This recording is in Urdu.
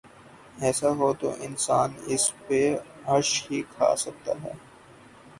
ایسا ہو تو انسان اس پہ غش ہی کھا سکتا ہے۔